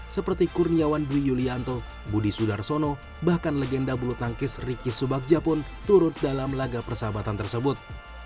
seperti kurniawan dwi yulianto budi sudarsono bahkan legenda bulu tangkis ricky subagja pun turut dalam laga persahabatan tersebut